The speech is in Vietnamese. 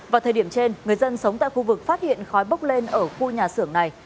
vào thời điểm trên người dân sống tại khu vực phát hiện khói bốc lên ở khu nhà xưởng này